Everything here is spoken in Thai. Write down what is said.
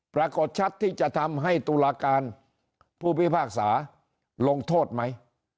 ปรากฏชัดที่จะทำให้ตุลาการผู้พิพากษาลงโทษไหม